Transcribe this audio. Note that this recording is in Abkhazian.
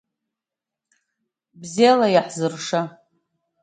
Бзиала иаҳҳзырша!